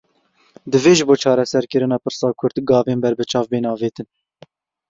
Divê ji bo çareserkirina pirsa Kurd gavên berbiçav bên avêtin.